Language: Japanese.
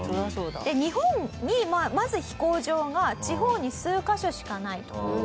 で日本にまず飛行場が地方に数カ所しかない。